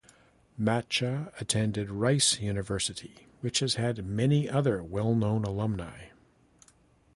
Macha attended Rice University, which has had many other well-known alumni.